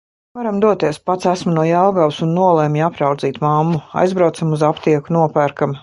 Varam doties, pats esmu no Jelgavas un nolemju apraudzīt mammu. Aizbraucam uz aptieku, nopērkam.